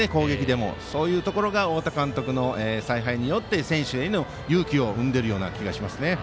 そういうところが太田監督の采配によって選手への勇気を生んでいる気がします。